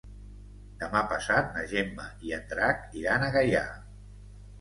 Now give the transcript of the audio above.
Demà passat na Gemma i en Drac iran a Gaià.